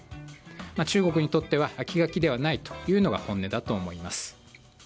中国にとっては気が気ではないというのが本音だと思います。